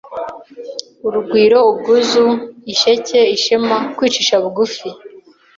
urugwiro, ubwuzu, ishyeke, isheme, kwicishe bugu fi